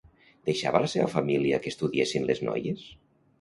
Deixava la seva família que estudiessin les noies?